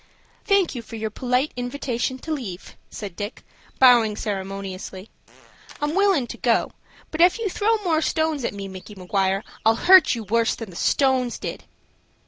"Thank you for your polite invitation to leave," said Dick, bowing ceremoniously. "I'm willin' to go, but ef you throw any more stones at me, Micky Maguire, I'll hurt you worse than the stones did."